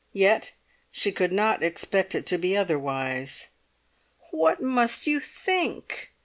Yet she could not expect it to be otherwise. "What must you think!"